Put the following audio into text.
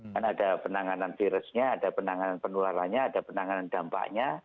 kan ada penanganan virusnya ada penanganan penularannya ada penanganan dampaknya